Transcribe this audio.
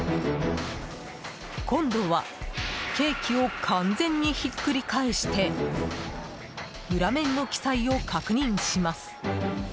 今度はケーキは完全にひっくり返して裏面の記載を確認します。